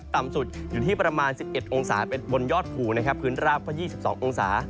ต่ำสุดอยู่ที่ประมาณ๑๑องศาเป็นบนยอดผูพื้นราบ๒๒องศา